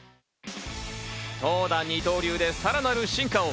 投打二刀流でさらなる進化を。